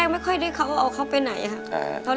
ไม่ค่อยได้เขาเอาเขาไปไหนครับ